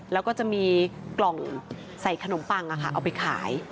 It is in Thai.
แล้วก็จะมีกล่องใส่ขนมปังเอาไปขาย